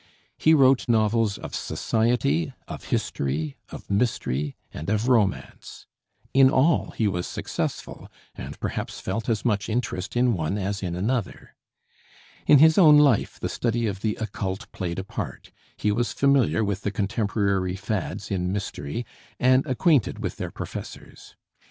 He wrote novels of society, of history, of mystery, and of romance. In all he was successful, and perhaps felt as much interest in one as in another. In his own life the study of the occult played a part; he was familiar with the contemporary fads in mystery and acquainted with their professors.